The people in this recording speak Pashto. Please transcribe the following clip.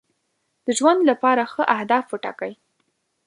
د ژوند لپاره ښه اهداف وټاکئ.